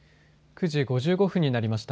９時５５分になりました。